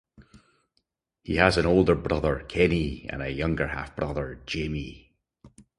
He has an older brother, Kenny, and a younger half-brother, Jamie.